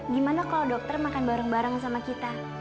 gimana kalau dokter makan bareng bareng sama kita